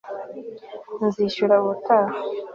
nzishyura ubutaha